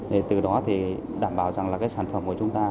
để từ đó thì đảm bảo rằng là cái sản phẩm của chúng ta